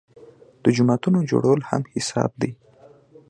د جوماتونو جوړول هم حساب دي.